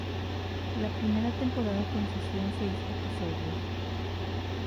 La primera temporada consistió en seis episodios.